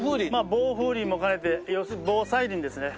防風林も兼ねて要するに防災林ですね。